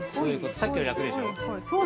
◆さっきよりも楽でしょう。